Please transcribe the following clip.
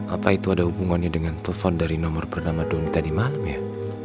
apa itu ada hubungannya dengan telepon dari nomor bernama donny tadi malam ya